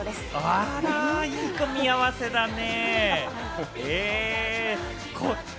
あら、いい組み合わせだね。